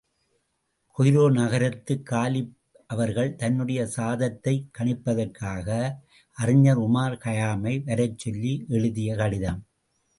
Cairo நகரத்துக் காலிப் அவர்கள், தன்னுடைய சாதாத்தைக் கணிப்பதற்காக அறிஞர் உமார் கயாமை வரச்சொல்லி எழுதிய கடிதம்.